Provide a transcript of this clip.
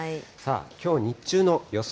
きょう日中の予想